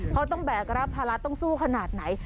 เขาต้องแบกรับภาระต้องสู้ขนาดไหน